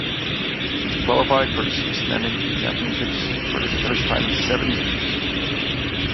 She qualified for the season-ending championships for the first time in seven years.